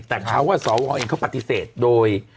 แต่เขาเขาว่าสวเองเขาปฏิเสธโดย